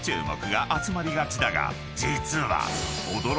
［実は］